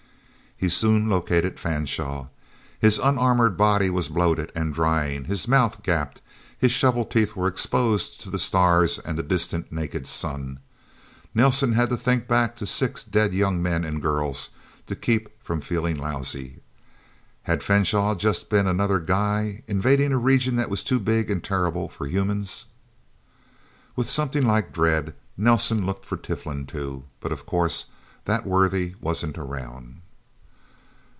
He soon located Fanshaw. His unarmored body was bloated and drying, his mouth gaped, his shovel teeth were exposed to the stars and the distant, naked sun. Nelsen had to think back to six dead young men and a girl, to keep from feeling lousy. Had Fanshaw been just another guy invading a region that was too big and terrible for humans? With something like dread, Nelsen looked for Tiflin, too. But, of course, that worthy wasn't around.